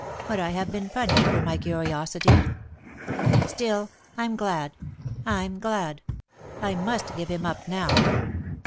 But I have been punished for my curiosity. Still, I'm glad I'm glad. I must give him up now."